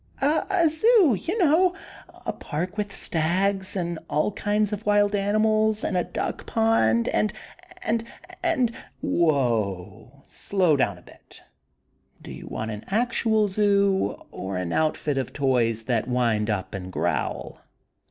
"A ZOO!! You know! A park with stags and all kinds of wild animals; and a duck pond, and and and " "Whoa! Slow down a bit! Do you want an actual zoo, or an outfit of toys that wind up and growl?"